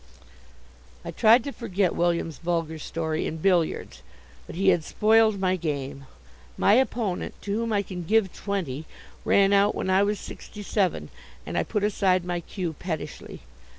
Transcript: I tried to forget William's vulgar story in billiards, but he had spoiled my game. My opponent, to whom I can give twenty, ran out when I was sixty seven, and I put aside my cue pettishly.